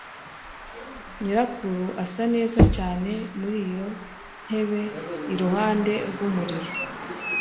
Nyirakuru asa neza cyane muri iyo ntebe iruhande rw'umuriro.